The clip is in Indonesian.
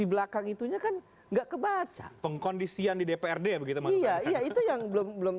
di belakang itunya kan enggak kebaca pengkondisian di dprd begitu maksudnya iya itu yang belum belum